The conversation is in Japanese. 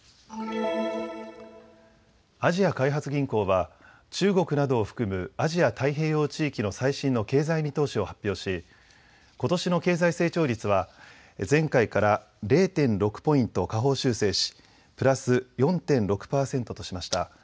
アジア開発銀行は中国などを含むアジア太平洋地域の最新の経済見通しを発表しことしの経済成長率は前回から０．６ポイント下方修正し、プラス４．６％としました。